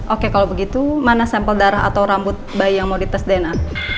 oke kalau begitu mana sampel darah atau rambut bayi yang mau dites dna